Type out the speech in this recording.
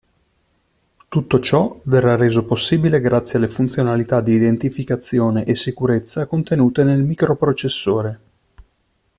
Tutto ciò verrà reso possibile grazie alle funzionalità di identificazione e sicurezza contenute nel microprocessore.